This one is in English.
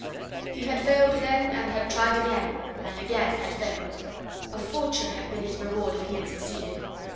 He had failed then and had tried again, and again had failed; a fortune had been his reward if he had succeeded.